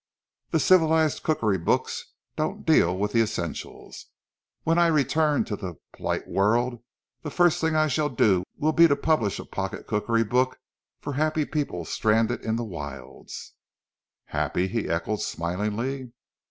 The civilized cookery books don't deal with the essentials. When I return to the polite world the first thing I shall do will be to publish a pocket cookery book for happy people stranded in the wilds!" "Happy!" he echoed, smilingly.